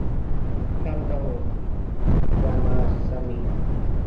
শান্ত হও, রামাসামি।